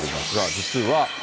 実は。